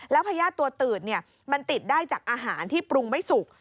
แล้วพญาติตัวตืดมันติดได้จากอาหารที่ปรุงไม่สุก